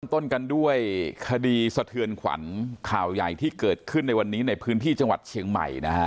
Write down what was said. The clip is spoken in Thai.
ต้นกันด้วยคดีสะเทือนขวัญข่าวใหญ่ที่เกิดขึ้นในวันนี้ในพื้นที่จังหวัดเชียงใหม่นะฮะ